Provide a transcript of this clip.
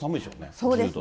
そうですね。